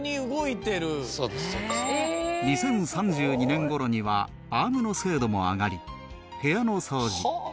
２０３２年頃にはアームの精度も上がり部屋の掃除